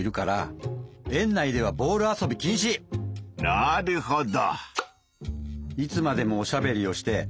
なるほど！